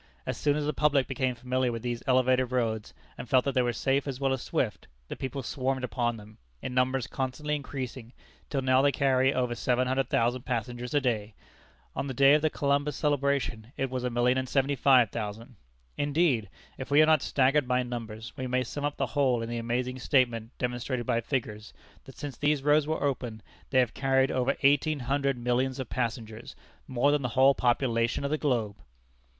As soon as the public became familiar with these elevated roads, and felt that they were safe as well as swift, the people swarmed upon them, in numbers constantly increasing, till now they carry over seven hundred thousand passengers a day! On the day of the Columbus celebration (October 12th) it was a million and seventy five thousand! Indeed, if we are not staggered by numbers, we may sum up the whole in the amazing statement demonstrated by figures, that since these roads were opened, they have carried over eighteen hundred millions of passengers, more than the whole population of the globe!